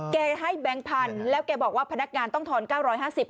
แกให้แบงค์พันธุ์แล้วแกบอกว่าพนักงานต้องทอน๙๕๐บาท